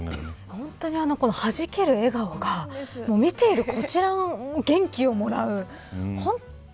本当に、はじける笑顔が見ているこちらを元気をもらう。